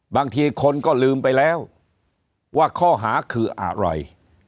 บางทีคนก็ลืมไปแล้วว่าข้อหาคืออะไร